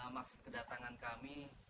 maksud kedatangan kami